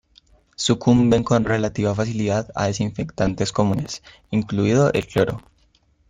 Sucumben con relativa facilidad a desinfectantes comunes, incluido el cloro.